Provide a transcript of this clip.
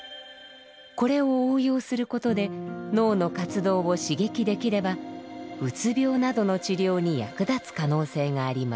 これを応用することで脳の活動を刺激できればうつ病などの治療に役立つ可能性があります。